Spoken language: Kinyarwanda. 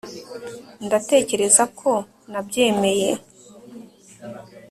ndatekereza ko nabyemeye